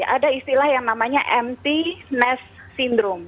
ada istilah yang namanya empty nest syndrome